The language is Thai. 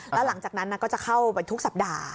แล้วหลังจากนั้นก็จะเข้าไปทุกสัปดาห์